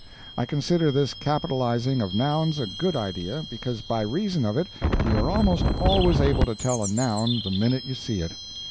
I consider this capitalizing of nouns a good idea, because by reason of it you are almost always able to tell a noun the minute you see it.